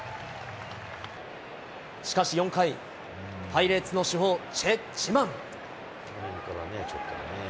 しかし４回、パイレーツの主砲、チェ・ジマン。